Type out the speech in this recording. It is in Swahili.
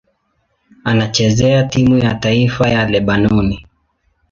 Anachezea timu ya taifa ya Lebanoni.